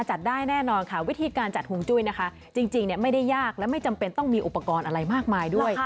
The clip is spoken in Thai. จัดได้แน่นอนค่ะวิธีการจัดห่วงจุ้ยนะคะจริงไม่ได้ยากและไม่จำเป็นต้องมีอุปกรณ์อะไรมากมายด้วย